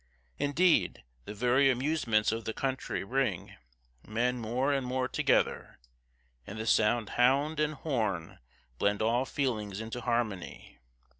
Indeed, the very amusements of the country bring, men more and more together; and the sound hound and horn blend all feelings into harmony.